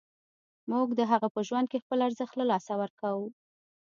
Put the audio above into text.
موږ د هغه په ژوند کې خپل ارزښت له لاسه ورکوو.